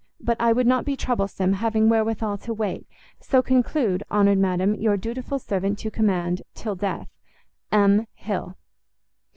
But I would not be troublesome, having wherewithal to wait, so conclude, Honoured Madam, your dutiful servant to command, till death, M. HILL.